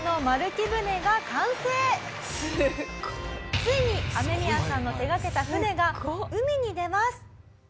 ついにアメミヤさんの手掛けた舟が海に出ます。